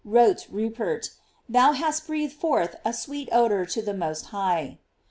wrote Rupert, thou hast breathed forth a sweet odor to the Most High.